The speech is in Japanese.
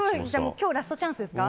今日ラストチャンスですか。